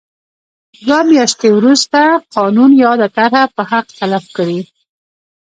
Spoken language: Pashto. دوه میاشتې وروسته قانون یاده طرحه به حق تلف کړي.